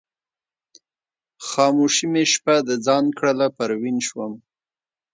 خاموشي مې شپه د ځان کړله پروین شوم